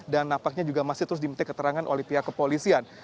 dan nampaknya juga masih terus dimetik keterangan oleh pihak kepolisian